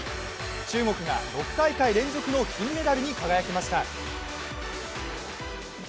中国が６大会連続の金メダルに輝きました。